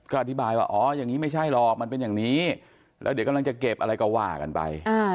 ก็อธิบายว่าอ๋ออย่างนี้ไม่ใช่หรอกมันเป็นอย่างนี้แล้วเดี๋ยวกำลังจะเก็บอะไรก็ว่ากันไป